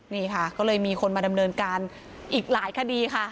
นี่ค่ะก็เลยมีคนมาดำเนินการอีกหลายคดีค่ะ